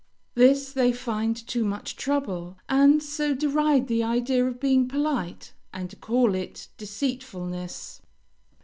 This they find too much trouble, and so deride the idea of being polite and call it deceitfulness.